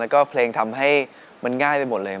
แล้วก็เพลงทำให้มันง่ายไปหมดเลย